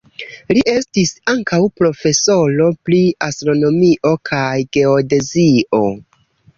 Li estis ankaŭ profesoro pri astronomio kaj geodezio.